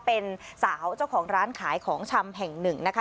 เป็นสาวเจ้าของร้านขายของชำแห่งหนึ่งนะคะ